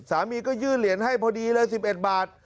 สามีก็ยื่นเหรียญให้พอดีเลย๑๑บาท